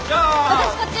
私こっち。